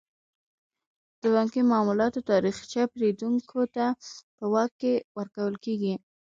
د بانکي معاملاتو تاریخچه پیرودونکو ته په واک کې ورکول کیږي.